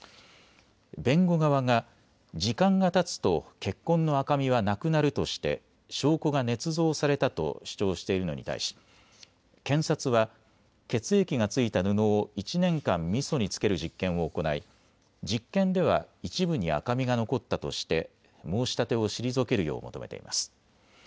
弁護側が時間がたつと血痕の赤みはなくなるとして証拠がねつ造されたと主張しているのに対し、検察は血液が付いた布を１年間みそに漬ける実験を行い実験では一部に赤みが残ったとして、申し立てを退けるよう求めています。